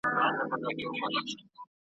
هی کوه یې لکه ډلي د اوزگړو ,